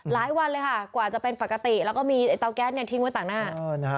วันเลยค่ะกว่าจะเป็นปกติแล้วก็มีเตาแก๊สทิ้งไว้ต่างหน้า